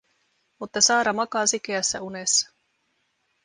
Mutta Saara makaa sikeässä unessa.